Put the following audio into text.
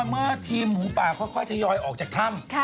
เมื่อทีมหมูป่าค่อยทยอยออกจากถ้ำ